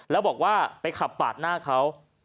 แล้วบอกว่าไปขับปาดหน้าเขา